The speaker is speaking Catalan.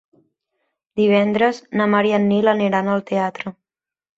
Divendres na Mar i en Nil aniran al teatre.